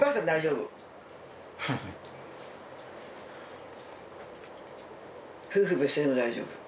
夫婦別姓でも大丈夫。